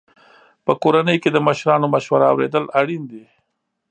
په کورنۍ کې د مشرانو مشوره اورېدل اړین دي.